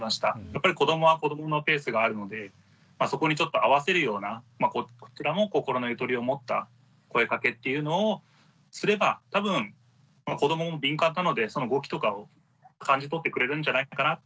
やっぱり子どもは子どものペースがあるのでそこにちょっと合わせるようなこちらも心のゆとりを持った声かけっていうのをすれば多分子どもも敏感なのでその動きとかを感じ取ってくれるんじゃないかなっていうのをはい。